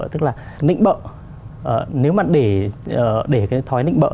tức là nịnh bỡ nếu mà để cái thói nịnh bỡ